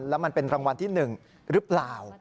แล้วมันเป็นรางวัลที่๑หรือเปล่า